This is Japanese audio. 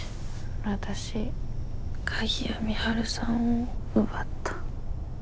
わたし鍵谷美晴さんを奪った。